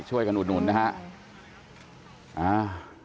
ช่วยกันอุดหนุนนะฮะอ่า